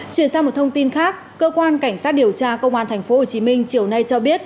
chuyển sang một thông tin khác cơ quan cảnh sát điều tra công an thành phố hồ chí minh chiều nay cho biết